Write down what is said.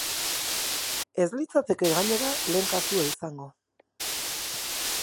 Ez litzateke, gainera, lehen kasua izango.